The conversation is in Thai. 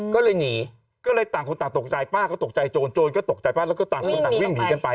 ก็เลยหนีก็เลยต่างคนต่างตกใจป้าก็ตกใจโจรโจรก็ตกใจป้าแล้วก็ต่างคนต่างวิ่งหนีกันไป